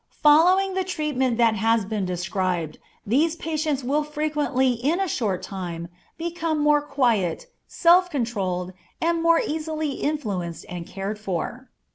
Following the treatment that has been described, these patients will frequently in a short time become more quiet, self controlled, and more easily influenced and cared for.